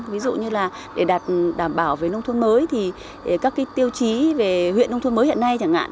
ví dụ như là để đạt đảm bảo về nông thôn mới thì các tiêu chí về huyện nông thôn mới hiện nay chẳng hạn